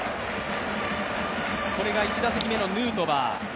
これが１打席目のヌートバー。